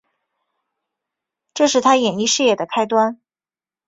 这是她演艺事业的开端。